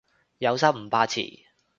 有心唔怕遲